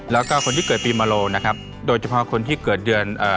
แล้วก็คนที่เกิดปีมาโลนะครับโดยเฉพาะคนที่เกิดเดือนเอ่อ